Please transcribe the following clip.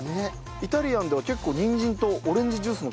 イタリアンでは結構にんじんとオレンジジュースの組み合わせが多い。